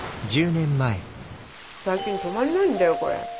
最近止まんないんだよこれ。